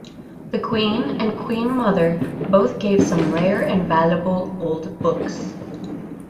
The Queen and Queen Mother both gave some rare and valuable old books.